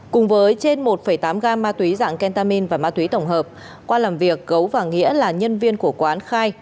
cùng với trên một tám gam ma túy dạng kentamin và ma túy tổng hợp qua làm việc gấu và nghĩa là nhân viên của quán khai